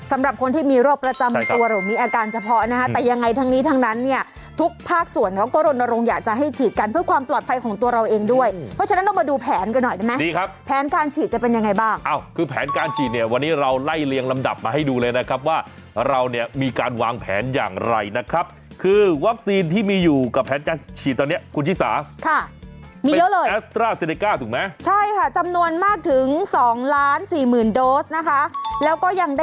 สำหรับคนที่มีโรคประจำตัวหรือมีอาการเฉพาะนะฮะแต่ยังไงทั้งนี้ทั้งนั้นเนี่ยทุกภาคส่วนเขาก็รนรงค์อยากจะให้ฉีดกันเพื่อความปลอดภัยของตัวเราเองด้วยเพราะฉะนั้นเรามาดูแผนกันหน่อยนะแม่ดีครับแผนการฉีดจะเป็นยังไงบ้างเอาคือแผนการฉีดเนี่ยวันนี้เราไล่เรียงลำดับมาให้ดูเลยนะครับว่าเราเนี่ยมีก